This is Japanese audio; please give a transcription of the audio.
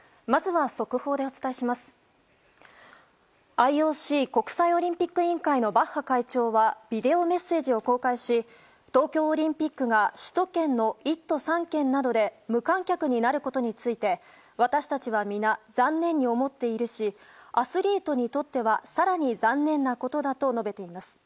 ＩＯＣ・国際オリンピック委員会のバッハ会長はビデオメッセージを公開し東京オリンピックが首都圏の１都３県などで無観客になることについて私たちは皆、残念に思っているしアスリートにとっては更に残念なことだと述べています。